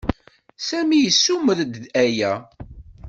Sami yessumer-d aya.